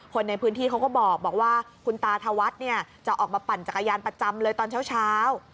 คนในพื้นที่เขาก็บอกว่าคุณตาธวัฒน์เนี่ยจะออกมาปั่นจักรยานประจำเลยตอนเช้า